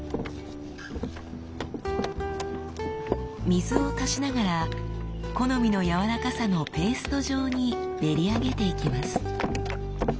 水を足しながら好みの軟らかさのペースト状に練り上げていきます。